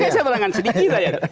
oke saya perlengkapan sedikit aja